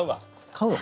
買うの？